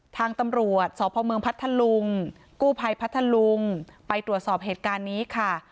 ทางตำรวจสพเมืองพัทธลุงกู้ภัยพัทธลุงไปตรวจสอบเหตุการณ์นี้ค่ะ